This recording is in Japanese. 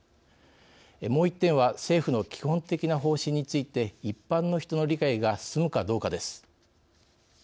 もう１点は、政府の基本的な方針について一般の人の理解が進むかどうかです。